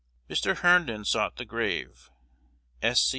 '" Mr. Herndon sought the grave. "S. C.